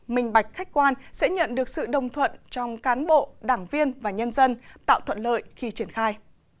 minh bạch khách quan sẽ nhận được sự đồng thuận trong cán bộ đảng viên và nhân dân tạo thuận lợi khi triển khai